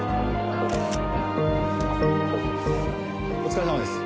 お疲れさまです。